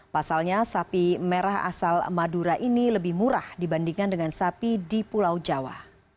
pasalnya sapi merah asal madura ini lebih murah dibandingkan dengan sapi di pulau jawa